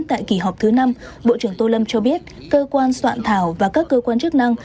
tại kỳ họp thứ năm bộ trưởng tô lâm cho biết cơ quan soạn thảo và các cơ quan chức năng